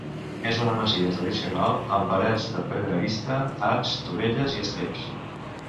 És una masia tradicional, amb parets de pedra vista, arcs, dovelles i estreps.